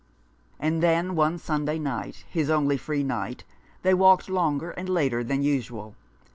And then, one Sunday night — his only free night — they walked longer and later than usual.